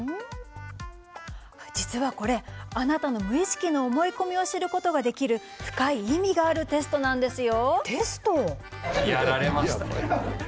実はこれ、あなたの無意識の思い込みを知ることができる深い意味があるテストなんですよ。